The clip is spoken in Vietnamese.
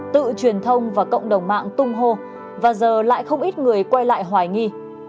tự truyền thông và cộng đồng mạng tung hô và giờ lại không ít người quay lại hoài nghi